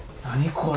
これ。